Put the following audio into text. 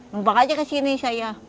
numpang saja ke sini saya